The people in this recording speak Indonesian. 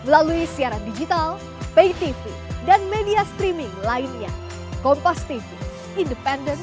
lalu ibu harapannya terhadap kasus ini